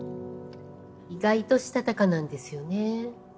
意外としたたかなんですよね。